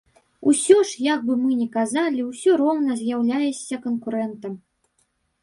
Усё ж, як бы мы не казалі, усё роўна з'яўляешся канкурэнтам.